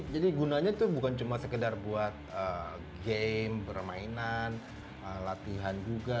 jadi gunanya itu bukan cuma sekedar buat game bermainan latihan juga